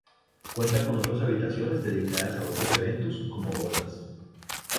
Cuenta con otras habitaciones dedicadas a otros eventos como bodas.